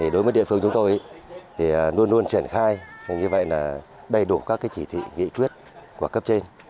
đối với địa phương chúng tôi thì luôn luôn triển khai như vậy là đầy đủ các chỉ thị nghị quyết của cấp trên